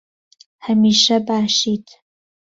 هەمیشە باشیت.